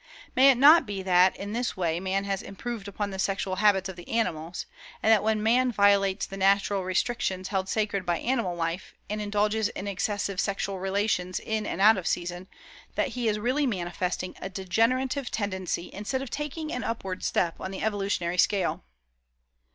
May it not be that in this way man has "improved upon the sexual habits of the animals"; and that when man violates the natural restrictions held sacred by animal life, and indulges in excessive sexual relations in and out of season, that he is really manifesting a degenerative tendency instead of taking an upward step on the evolutionary scale.